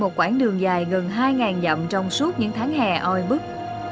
một quảng đường dài gần hai dặm trong suốt những tháng hè oi bức